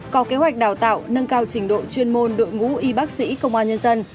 có kế hoạch đào tạo nâng cao trình độ chuyên môn đội ngũ y bác sĩ công an nhân dân